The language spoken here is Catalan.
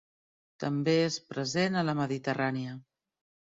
També és present a la Mediterrània.